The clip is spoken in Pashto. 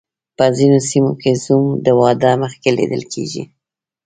په ځینو سیمو کې زوم د واده مخکې لیدل کیږي.